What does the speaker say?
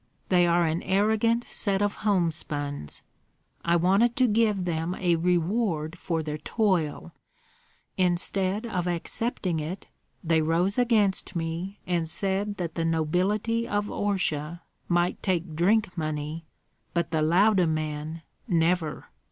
They are an arrogant set of homespuns. I wanted to give them a reward for their toil; instead of accepting it, they rose against me and said that the nobility of Orsha might take drink money, but the Lauda men never.